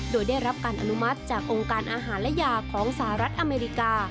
โดยได้รับการอนุมัติจากองค์การอาหารและยาของสหรัฐอเมริกา